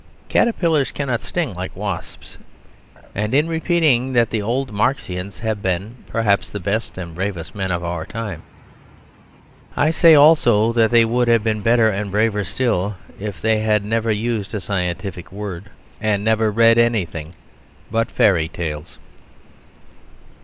Caterpillars cannot sting like wasps. And, in repeating that the old Marxians have been, perhaps, the best and bravest men of our time, I say also that they would have been better and braver still if they had never used a scientific word, and never read anything but fairy tales.